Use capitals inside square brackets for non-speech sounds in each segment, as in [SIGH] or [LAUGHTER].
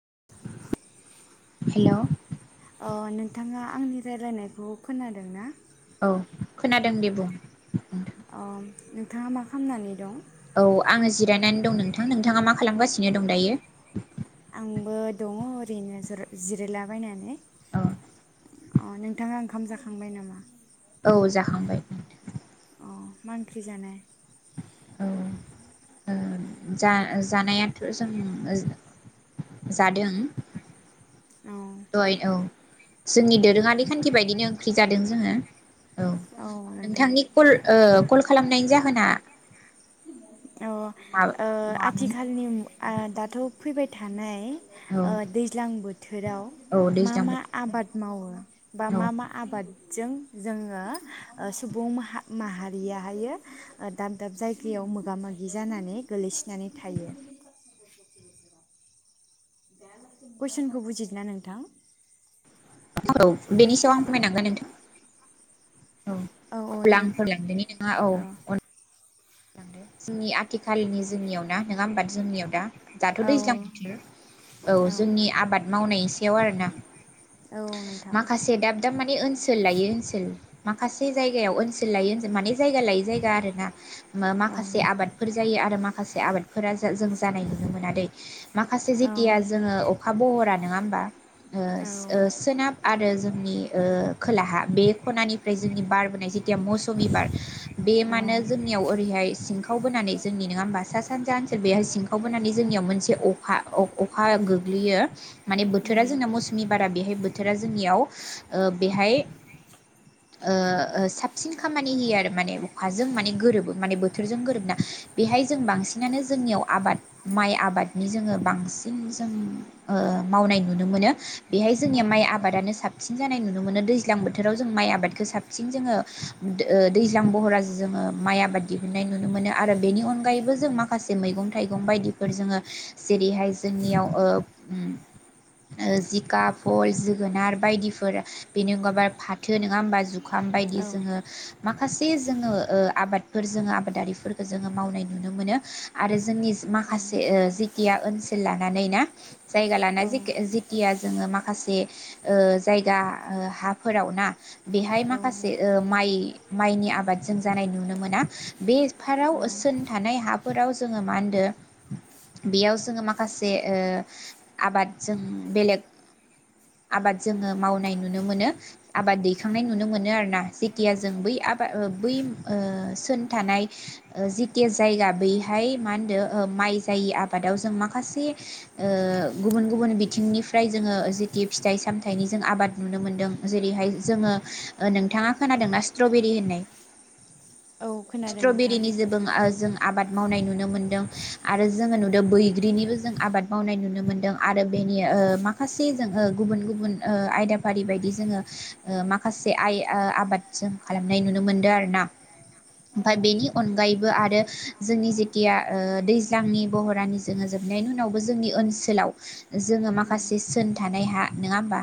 [UNINTELLIGIBLE] हेल' अ नोंथाङा आंनि रायलायनायखौ खोनादों ना औ खोनादों दे बुं अ नोंथाङा मा खालामनानै दं औ आङो जिरायनानै दं नोंथां नोंथाङा मा खालामगासिनो दं दायो आंबो दङ ओरैनो जिरायलाबायनानै औ अ नोंथाङा ओंखाम जाखांबाय नामा औ जाखांबाय अ मा ओंख्रि जानाय औ जा जानायाथ' जों जादों औ दहाय औ जोंनि दोरोङारि खान्थि बायदिनो ओंख्रि जादों जोङो औ नोंथां नोंथांनि कल ओ कल खालामनायनि जाहोना औ मा मामोन आथिखालनि दाथ' फैबाय थानाय औ दैज्लां बोथोराव औ मा दैज्लां मा बोथोर आबाद मावो बा औ मा मा आबाद जों जोङो सुबुं माहारियायो दाब दाब जायगायाव मोगा मोगि जानानै गोलैसोनानै थायो कुइसनखौ बुजिदोंना नोंथां औ बेनि सायाव आं अ फोरमायनांगोन नोंथां औ औ अब्ला नों आं फोरमायलांदोनि नोंथां औ जोंनि आथिखालनि जोंनियाव ना नङा होमबा जोंनियाव दा दाथ' औ दैज्लां बोथोर औ जोंनि आबाद मावनायनि सायाव आरोना औ नोंथां माखासे दाब दाब ओनसोल लायै ओनसोल माखासे जायगायाव ओनसोल लायै ओनसोल माने जायगा लायै जायगा आरो ना औ माखासे आबादफोर जायो आरो माखासे आबादफोरा जों जानाय नुनो मोना दै माखासे औ जेथिया अखा बहरा नङा होमबा औ सोनाब आरो जों नि खोलाहा बे खनानिफ्राय जोंनि बारबोनाय जि जेथिया मौसमि बार बे मानो जोंनियाव ओरैहाय सिंखाव बोनानै जोंनि नङा होमबा सा सानजा ओनसोल बेहाय सिंखाव बोनानै जोंनियाव मोनसे अखा अखा गोग्लैयो माने बोथोरा उम जोंना मौसुमि बारा बेहाय बोथोरा जोंनियाव उम बेहाय साबसिन खामानि होयो आरो माने अखाजों माने गोरोबो माने बोथोर बोथोरजों गोरोबना बेहाय जों बांसिनानो जोंनियाव आबाद माइ आबादनि जोङो बांसिन जों मावनाय नुनो मोनो बेहाय औ जोंनिया माइ नोंथां आबादानो साबसिन जानाय नुनो नुनो मोनो दैज्लां बोथोराव जों माइ आबादखौ साबसिन जोङो दैज्लां बहराव जों जोङो माइ आबाद दिहुननाय नुनो मोनो आरो बेनि अनखायैबो जों माखासे मैगं थाइगं बायदिफोर जोङो जेरैहाय जोंनियाव जिंखा बहल जोगोनार बायदिफोर बेनि अनगाबो आरो फाथो नङा होमबा जुखाम बायदि औ जोङो माखासे जोङो ओ आबाद फोर जोङो आबादारिफोरखौ जोङो मावनाय नुनो मोनो आरो जोंनि उम माखासे ओ जेखिया ओनसोल लानानै ना जायगा औ लाना जिखि जिखिया जोङो माखासे ओ जायगा ओ हाफोराव ना बेहाय औ माखासे ओ माइ माइनि आबाद जों जानाय नुनो मोना बेफोराराव औ सोर थानाय हाफोराव जोङो मा होनो बेयाव जोङो माखासे आबाद जों बेलेग आबाद जोङो मावनाय नुनो मोनो आबाद दैखांनाय नुनो मोनो आरोोना जेखिया जों बै आबाद बै थोन थानाय ओ जिथिया जायगा बैहाय मा होनदों ओ माइ जायै आबादाव जों माखासे ओ गुबुन गुबुन बिथिंनिफ्राय जोङो जिथि फिथाइ सामथायाइनि जों आबाद नुनो मोनदों जेरैहाय जोङो ओ नोंथाङा खोनादोंना स्ट्रबेरि होननाय औ खोनादों नोंथां स्ट्रबेरिनि जेबों आ जों आ आबाद मावनाय नुनो मोनदों आरो जोङो नुदों बैग्रिनिबो जों आबाद मावनाय नुनो मोनदों आरो बेनि ओ माखासे जों ओ गुबुन गुबुन ओ आयदाफारि बायदि जोङो ओ माखासे आइ आबाद जों खालामनाय नुनो मोनदों आरोना औ ओमफाय बेनि अनगायैबो आरो जोंनि जेथिया ओ दैज्लांनि बरहरानि जोङो जोबनायनि उनावबो जोंनि ओनसोलाव जोङो उम माखासे सोन थानाय हा नोङा होमबा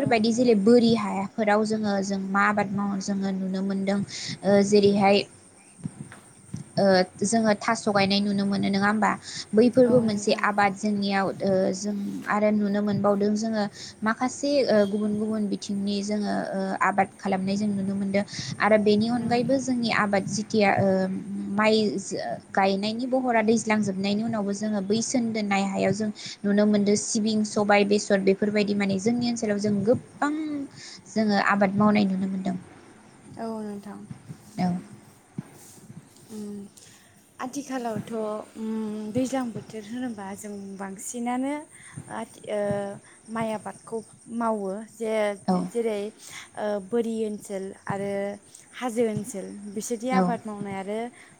औ नोंथां जेरै बोरि हाया फोराव जोङो जों मा आबाद माव जोङो नुनो मोनदों ओ जेरैहाय ओ जोङो थास' गायनाय नुनो मोनो नङा होमबा औ बैफोरबो मोनसे नोंथां औ आबाद जोंनियाव ओ जों आरो नुनो मोनबावदों जोङो माखासे ओ गुबुन गुबुन बिथिंनि जोङो ओ आबाद खालामनाय जों नुनो मोनदों आरो बेनि अनगायैबो नोंथां जोंनि आबाद जिथिया ओ माइ गायनायनि बहरा दैज्लांजोबनायनि उनावबो जोङो बैसोन दोननाय हायाव जों नुनो मोनदों सिबिं सबाय बेसर बेफोरबायदि माने जोंनि ओनसोलाव जों गोबां जोङो आबाद मावनाय नुनो मोनदों औ नोंथां औ उम आथिखालावथ' उम दैज्लां बोथोर होनोबा जों बांसिनानो आथि ओ माइ आबादखौ मावो जे जेरै ओ बोरि ओनसोल आरो हाजो ओनसोल बिसोरदि औ आबाद मावनाय आ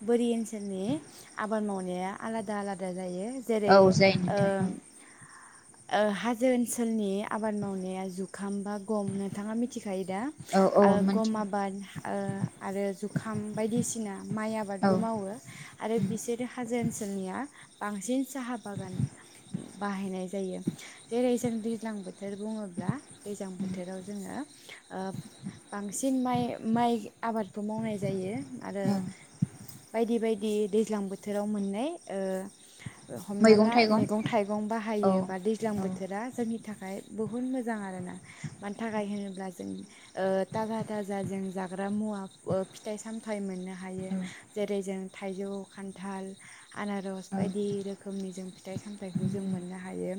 बोरि ओनसोलनि आबाद मावनाया आलादा आलादा जायो औ जेरै जायो ओ नोंथां ओ हाजो ओनसोलनि आबाद मावनाया जुखाम बा गम नोंथाङा मिथिखा खायोदा औ ओ औ गम मोनथिगौ आबाद ओ आरो जुखाम बायदिसिना माइ औ आबादबो मावो आरो उम बिसोरो हाजो ओनसोलनिया बांसिन साहा बागान बाहायनाय जायो जेरै जों दैज्लां बोथोर बुङोब्ला दैज्लां उम बोथोराव जोङो ओ बांसिन माइ माइ आबाद खौ मावनाय जायो आरो औ बायदि बायदि दैज्लां बोथोराव मोननाय ओ हमना मैगं ला थाइगं मेगं थाइगं औ बाहायो बा दैज्लां औ बोथोरा जोंनि था थाखाय बुहुत मोजां आरोना मानि थाखाय होनोब्ला जों थाजा थाजा जों जाग्रा मुवा फिथाइ सामथाय मोननो ह हायो औ जेरै जों थाइजौ खान्थाल आनारस अ बायदि रोखोमनि जों फिथाइ सामथाइखौ उम जों मोननो हायो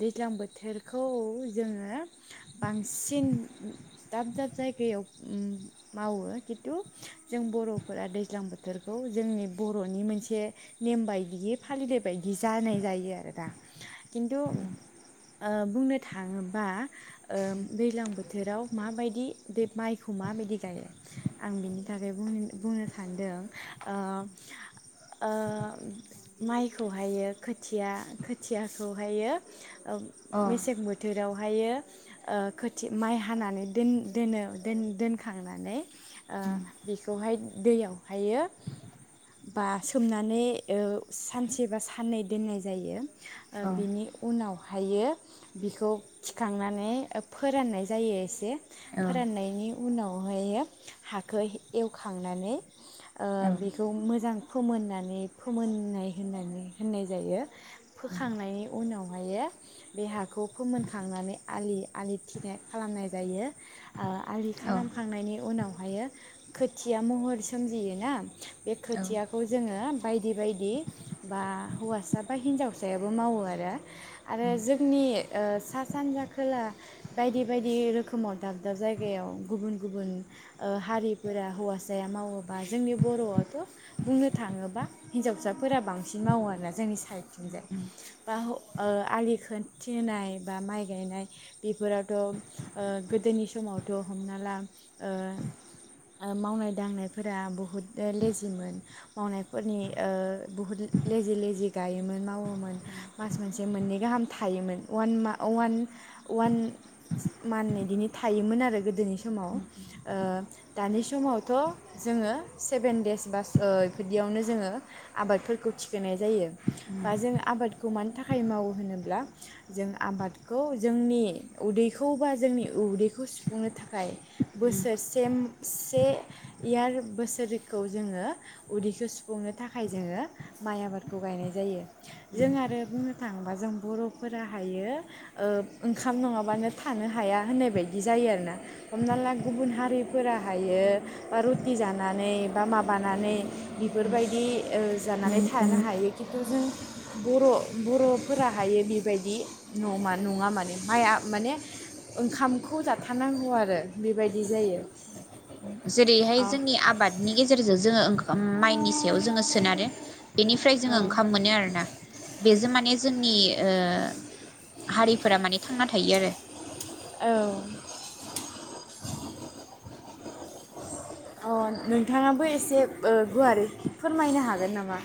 दैज्लां बोथोरखौ जोङो बांसिन दाब दाब जायगायाव मावो खिन्थु जों बर'फोरा दैज्लां बोथोरखौ जोंनि बर'नि मोनसे नेम बायदियै फालिनाय बायदि जानाय जायो आरो दा खिन्थु बुंनो थाङोबा दैज्लां बोथोराव माबायदि बे माइखौ माबायदि गायो आं बिनि थाखाय बुंनो सानदों माइखौहायो खोथिया खोथियाखौहायो औ मेसें बोथोराव हायो खोथिया माइ हानानै दोन दोनो दोनखांनानै आ बेखौहाय दैयावहायो बा सोमनानै सानसे बा साननै दोननाय जायो औ औ बिनि उनाव बेखौहायो बिखौ थिखांनानै फोराननाय जायो एसे उम फोराननायनि उनावहायो हाखौ एवखांनानै बेखौ मोजां फोमोननानै फोमोननाय होननानै होननाय जायो फोखांनायनि उनावहाय बे हाखौ फोमोनखांनानै आलि आलि थिनाय खालामनाय जायो आलि खालामखांनायनि उनाव बेवहायो खोथिया महर सोमजियोना बे खोथियाखौ जोङो बायदि बायदि बा हौवासा बा हिन्जावसायाबो मावो आरो आरो उम जोंनि सा सानजा खोला बायदि बायदि रोखोमाव दाब दाब जायगायाव गुबुन गुबुन हारि हौवासाया मावोबा जोंनि बर'आथ' बुंनो थाङोबा हिनजावसाफोरा बांसिन मावो आरोना जोंनि साइडथिंजाय उम उम बा आलि खोनथिनाय बा माइ गायनाय बेफोरावथ' गोदोनि समावथ' हमना ला मावनाय दांनायफोरा बहुद लेजिमोन मावनायफोरनि बुहुद लेजि लेजि गायोमोन मावोमोन मास मोनसे मोननै गाहाम थायोमोन अवान अवान अवान मान्थ बिदिनो थायोमोन आरो गोदोनि समाव दानि समावथ' जोङो सेभेन देस बास बेफोरदियावनो जोङो आबादफोरखौ थिखोनाय जायो बा जोंङो आबादखौ मानो थाखाय थाखाय मावो होनोब्ला जों आबादखौ जोंनि उदैखौ बा जोंनि उदैखौ सुफुंनो थाखाय बोसोरसेम से इयार बोसोरखौ जोङो उदैखौ सुफुंनो थाखाय जोङो माइ आबादखौ गायनाय जायो जों आरो थांबा जों बर'फोरा हायो ओंखाम नङाबानो थानो हाया होननाय बायदि जायो आरोना हमना ला गुबुन हारिफोरा थायो बा रुटि जानानै बा माबानानै बेफोरबायदि जानानै थानो हायो खिन्थु जों बर' बर'फोराहायो बेबायदि नमा नङा माने माइआ माने ओंखामखौ जाथारनांगौ आरो बेबायदि जायो जेरैहाय औ जोंनि आबादनि गेजेरजों जोङों माइनि सायाव जोङो सोनारो बेनिफ्राय जोङो ओंखाम मोनो आरोना बेजों माने जोंनि हारिफोरा माने थांना थायो आरो औ अ नोंथाङाबो एसे गुवारै फोरमायनो हागोन नामा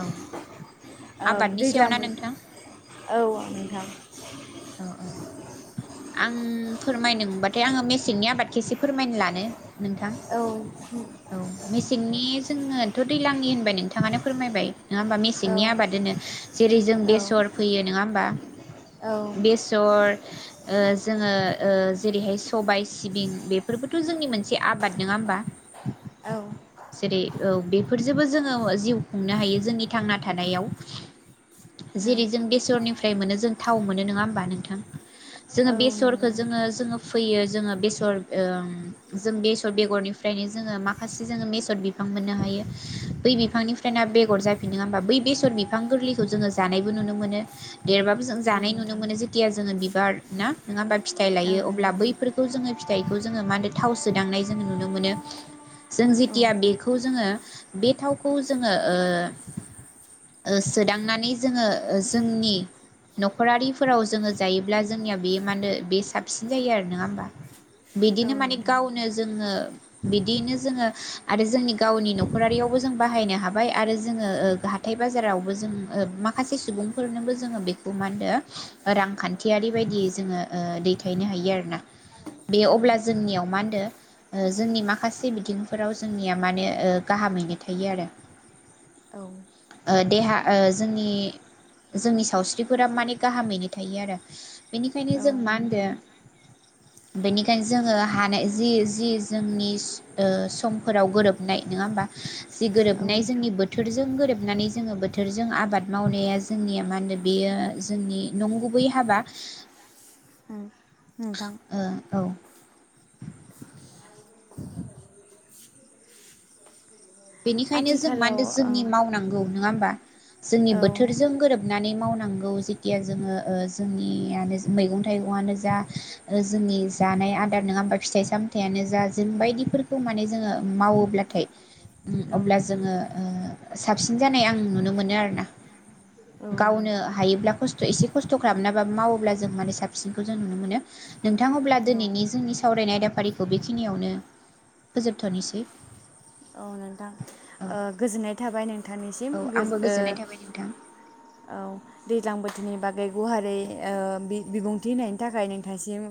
औ आबादनि सायाव दैज्लां ना नोंथां औ ओं नोंथां औ औ आं फोरमायनो मोनबाथाय आङो मेसेंनि आबादखौ एसे फोरमायनो लानो नोंथां औ औ मे सेंनि जोङोथ' दैलांनि होनबाय नोंथाङानो फोरमायबाय नङा होमबा मेसेंनि आबाद औ दोनो जेरै जों औ बेसर फैयो नङा होमबा औ बेसर ओ जोङो ओ जेरैहाय सबाय सिबिं बेफोरबोथ' जोंनि मोनसे आबाद नङा होमबा औ जेरै ओ बे फोरजोंबो जोङो जिउ खुंनो हायो जोंनि थांना थानायाव जेरै जों बेसरनिफ्राय मोनो जों थाव मोनो नङा होमबा नोंथां जोङो औ नंगौ बेसरखौ जोङो नोंथां जोङो फैयो जोङो बे सर ओम जों बेसर बेगरनिफ्रायनो जोङो माखासे जोङो बेसर बिफां मोननो हायो बै बिफांनि फ्रायना बेगर जाफिनो होमबा बै बेसर बिफां गोरलैखौ जोङो जानायबो नुनो मोनो देरबाबो जों औ जानाय नोंथां नु जेथिया जोङो बिबार ना नङा होमबा फिथाइ औ लायो अब्ला नोंथां बैफोरखौ जोङो फिथाइखौ जोङो मा होनो थाव सोदांनाय जोङो नुनो मोनो जों औ जेथिया बेखौ जोङो बे थावखौ जोङो ओ ओ सोदांनानै जोङो जोंनि न'खरारि फोराव जोङो जायोब्ला जोंनिया बे मा होनदो बे साबसिन जायो आरो नङा होमबा औ बिदिनो माने नोंथां गावनो जोङो बिदिनो जोङो आरो जोंनि गावनि न'खरारियावबो जों बाहायनो हाबाय आरो जोङो ओ हाथाय बाजारावबो जों ओ माखासे सुबुंफोरनोबो जोङो बेखौ मा होनदो रांखानथियारि बायदियै जोङो ओ दैथायनो हायो आरोना बे औ अब्ला जोंनियाव मा होनदो जोंनि माखासे बिथिंफोराव जोंनिया माने ओ गाहामैनो थायो आरो औ ओ देहा ओ जोंनि जोंनि सावस्रिफोरा माने गाहामैनो थायो आरो बेनिखायनो जों मा होनदो नोंथां बेनिखायनो जोङो हानाय जि जि जोंनि ओ समफोराव गोरोबनाय नङा होमबा जि औ गोरोबनाय नोंथां जोंनि बोथोरजों गोरोबनानै जोङो बोथोरजों आबाद मावनाया जोंनिया मा होनो बेयो जोंनि नंगुबै हाबा ओ नोंथां ओ औ [UNINTELLIGIBLE] बेनिखायनो जों मा आथिखालाव होनदों ओ जोंनि मावनांगौ नङा होमबा जोंनि औ बोथोरजों गोरोबनानै मावनांगौ औ जेथिया जोङो जोंनियानो मैगं थाइगंनो जा जोंनि जानाय आदार नङा होमबा फिथाइ सामथायानो जा जों बायदिफोरखौ माने जोङो मावोब्लाथाय ओम औ अब्ला नोंथां जोङो ओ साबसिन जानाय आं नुनो मोनो आरोना औ गावनो नोंथां हायोब्ला खस्थ' एसे खस्थ' खालामनानै बा मावोब्ला जों माने साबसिनखौ जों नुनो मोनो नोंथा अब्ला औ दिनैनि जोंनि सावरायनाय आयदाफारिखौ बेखिनियावनो फोजोबथ'निसै औ नोंथां ओ गोजोननाय थाबाय नों नोंथांनिसिम औ ओ आंबो गोजोननाय थाबाय नोंथां औ दैज्लां बोथोरनि बाग बे गुवारै ओ बि बिबुंथि होनायनि थाखाय नोंथांसिम